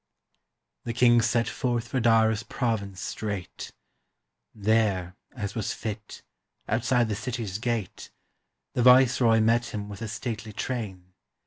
The king set forth for Dara's pro\dnce straight, There, as was fit, outside the city's gate. The viceroy met him with a stately train.